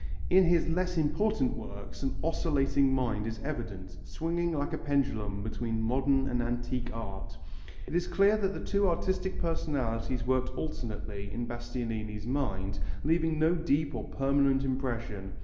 In his less important works an oscillating mind is evident, swinging like a pendulum between modern and antique art. It is clear that the two artistic personalities worked alternately in Bastianini's mind, leaving no deep or permanent impression.